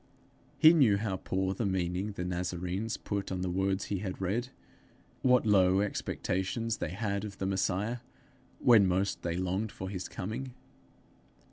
He knew how poor the meaning the Nazarenes put on the words he had read; what low expectations they had of the Messiah when most they longed for his coming.